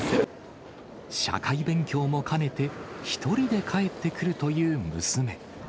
社会勉強も兼ねて、１人で帰ってくるという娘。